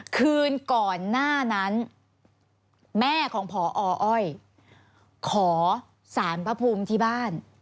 คืนก่อนหน้านั้นแม่ของพออ้อยขอสารพระภูมิที่บ้าน